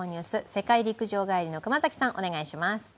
世界陸上帰りの熊崎さん、お願いします。